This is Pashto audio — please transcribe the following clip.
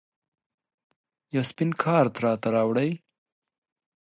یو سپین کارت راته راوړئ